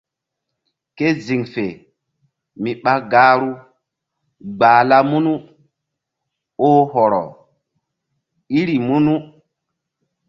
Ke ziŋ fe mi ɓa gahru gbahla munu oh hɔrɔ iri munu.